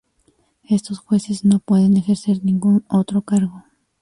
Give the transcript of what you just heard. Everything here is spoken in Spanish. Estos jueces no pueden ejercer ningún otro cargo.